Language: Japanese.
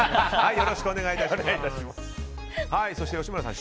よろしくお願いしますみたいな。